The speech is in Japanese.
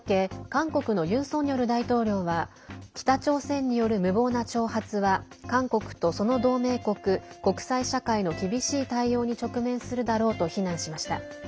韓国のユン・ソンニョル大統領は北朝鮮による無謀な挑発は韓国と、その同盟国国際社会の厳しい対応に直面するだろうと非難しました。